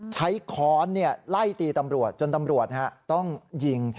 ค้อนไล่ตีตำรวจจนตำรวจต้องยิง